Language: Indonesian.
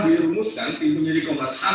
dirumuskan tim penyidik komnas ham